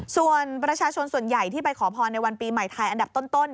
ส่วนประชาชนส่วนใหญ่ที่ไปขอพรในวันปีใหม่ไทยอันดับต้น